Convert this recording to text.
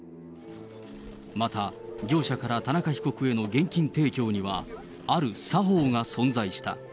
また、業者から田中被告への現金提供には、ある作法が存在した。